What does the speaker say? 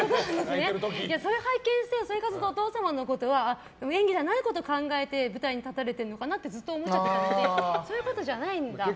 それを拝見してお父様のことは演技じゃないことを考えて舞台に立ってるのかなってずっと思っちゃってたのでそういうことじゃないんだ。